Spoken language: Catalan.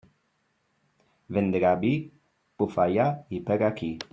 Vent de garbí, bufa allà i pega aquí.